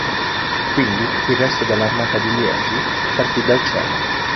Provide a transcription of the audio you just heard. Quindi il resto dell'armata di Liegi partì dal centro.